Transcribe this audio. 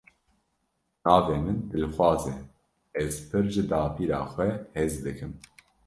Navê min Dilxwaz e, ez pir ji dapîra xwe hez dikim.